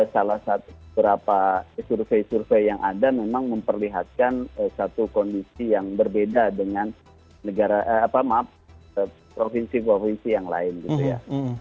salah satu beberapa survei survei yang ada memang memperlihatkan satu kondisi yang berbeda dengan provinsi provinsi yang lain gitu ya